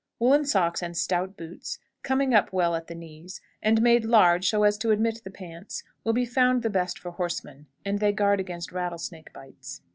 Woolen socks and stout boots, coming up well at the knees, and made large, so as to admit the pants, will be found the best for horsemen, and they guard against rattlesnake bites.